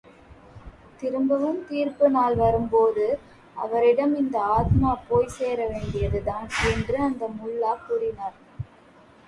திரும்பவும் தீர்ப்பு நாள் வரும்போது அவரிடம் இந்த ஆத்மா போய்ச்சேர வேண்டியதுதான் என்று அந்த முல்லா கூறினார்.